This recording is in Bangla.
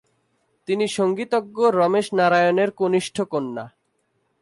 তিনি সঙ্গীতজ্ঞ রমেশ নারায়ণের কনিষ্ঠ কন্যা।